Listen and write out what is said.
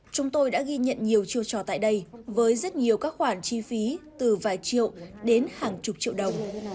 chúng tôi đã ghi nhận nhiều chiêu trò tại đây với rất nhiều các khoản chi phí từ vài triệu đến hàng chục triệu đồng